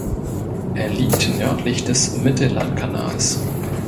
Er liegt nördlich des Mittellandkanals.